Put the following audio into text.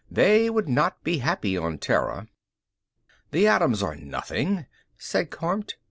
They would not be happy on Terra." "The atoms are nothing," said Kormt.